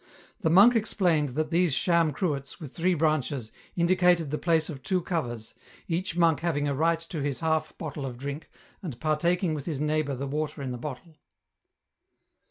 The monk explained that these sham cruets with three branches indicated the place of two covers, each EN ROUTE. 289 monk having a right to his half bottle of drink, and partaking with his neighbour the water in the bottle.